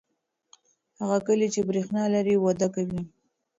هغه کلی چې برېښنا لري وده کوي.